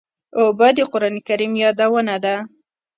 اوبه د قرآن کریم یادونه ده.